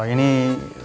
ini saya sendiri